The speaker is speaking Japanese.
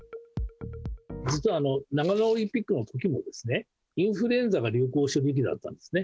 実は長野オリンピックのときも、インフルエンザが流行する時期だったんですね。